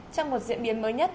trong một diễn biến mới nhất